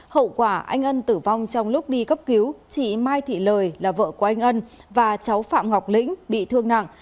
hậu quả anh ân tử vong trong lúc đi cấp cứu chị mai thị lời là vợ của anh ân và cháu phạm ngọc lĩnh bị thương nặng